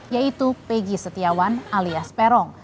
yaitu pegi setiawan alias peron